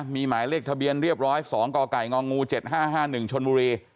มีหมายเลขทะเบียนเรียบร้อย๒กกง๗๕๕๑ชนบุรี